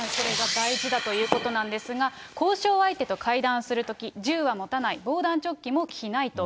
これが大事だということなんですが、交渉相手と会談するとき、銃は持たない、防弾チョッキも着ないと。